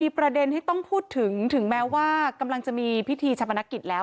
ประเด็นที่ต้องพูดถึงถึงแม้ว่ากำลังจะมีพิธีชะพนักกิจแล้ว